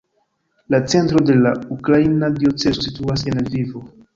La centro de la ukraina diocezo situas en Lvivo.